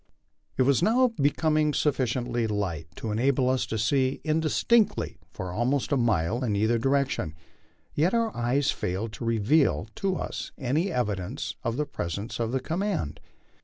It was now becoming sufficiently light to enable us to see indistinctly for almost a mile in either direction, yet our eyes failed to reveal to us any evi dence of the presence of the command.